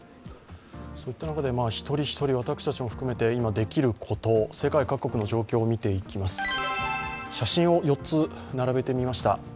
そういった中で一人一人、私たちも含めて今できること、世界各国の状況を見ていきます。